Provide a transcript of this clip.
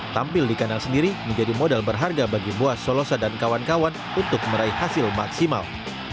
tampil di kanal sendiri menjadi modal berharga bagi boa solosa dan kawan kawan untuk meraih hasil maksimal